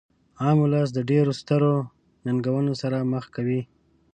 عام ولس د ډیرو سترو ننګونو سره مخ کوي.